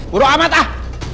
buruk amat ah